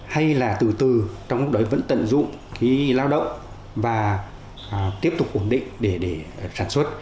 hay là từ từ trong lúc đó vẫn tận dụng cái lao động và tiếp tục ổn định để sản xuất